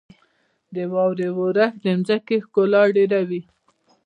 • د واورې اورښت د ځمکې ښکلا ډېروي.